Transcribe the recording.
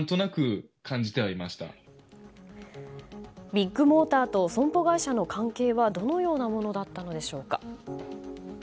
ビッグモーターと損保会社の関係はどのようなものだったのでしょうか。